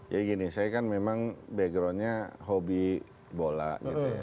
ya gini saya kan memang backgroundnya hobi bola gitu ya